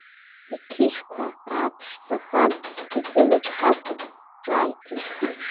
Иқьышәқәа ааԥшӡахан изымчҳакәа ҿааиҭит…